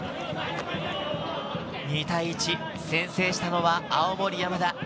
２対１、先制したのは青森山田。